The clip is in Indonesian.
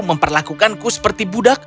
memperlakukanku seperti budak